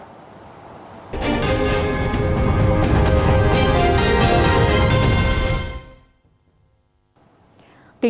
xin chào quý vị và các bạn